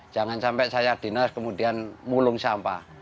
jangan sampai saya dinas kemudian mulung sampah